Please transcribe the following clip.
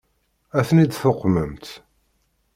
Ad ten-id-tuqmemt?